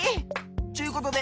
ちゅうことではい